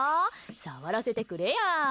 触らせてくれや。